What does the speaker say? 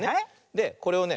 これをね